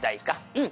「うん。